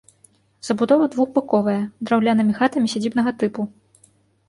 Забудова двухбаковая, драўлянымі хатамі сядзібнага тыпу.